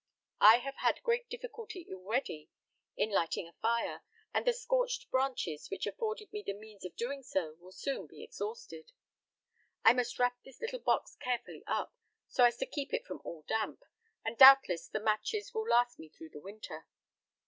I have had great difficulty already in lighting a fire, and the scorched branches which afforded me the means of doing so will soon be exhausted. I must wrap this little box carefully up, so as to keep it from all damp, and doubtless the matches will last me through the winter.